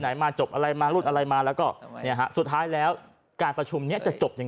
ไหนมาจบอะไรมารุ่นอะไรมาแล้วก็สุดท้ายแล้วการประชุมจะจบอย่าง